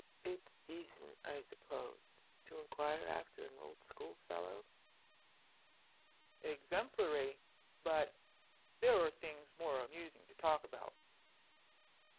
"It's decent, I suppose, to inquire after an old school fellow?" "Exemplary. But there are things more amusing to talk about."